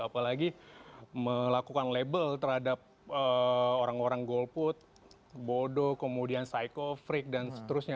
apalagi melakukan label terhadap orang orang golput bodoh kemudian cycho frick dan seterusnya